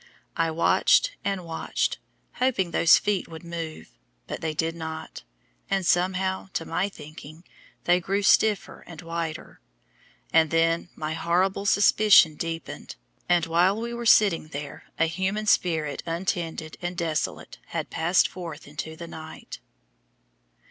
I watched and watched, hoping those feet would move, but they did not; and somehow, to my thinking, they grew stiffer and whiter, and then my horrible suspicion deepened, and while we were sitting there a human spirit untended and desolate had passed forth into the night.